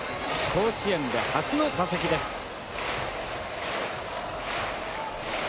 甲子園で初の打席です。